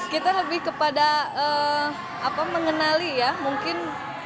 kita lebih kepada mengenali ya mungkin